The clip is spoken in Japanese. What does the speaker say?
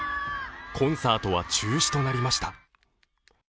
コンサートは中止となりました。